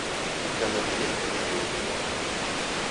Ikanadiyen d imidiwen-nneɣ.